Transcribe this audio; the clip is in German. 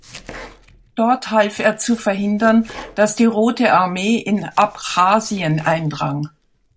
Dort half er zu verhindern, dass die Rote Armee in Abchasien eindrang.